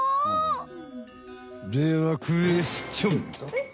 ではクエスチョン！